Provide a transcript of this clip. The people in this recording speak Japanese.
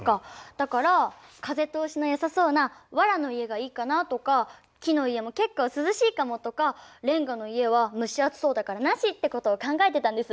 だから風通しのよさそうなわらの家がいいかなとか木の家も結構涼しいかもとかレンガの家は蒸し暑そうだからなしってことを考えてたんです。